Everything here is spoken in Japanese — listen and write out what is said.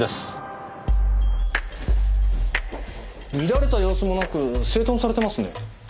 乱れた様子もなく整頓されてますね。